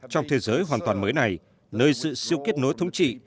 trong thế giới hoàn toàn mới này nơi sự siêu kết nối thống trị